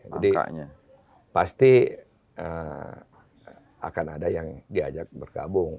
jadi pasti akan ada yang diajak berkabung